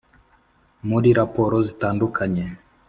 muri raporo zitandukanye,